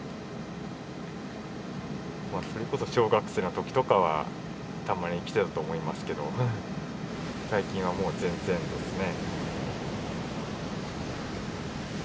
それこそ小学生の時とかはたまに来てたと思いますけど最近はもう全然ですね。